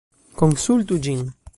Konsultu ĝin!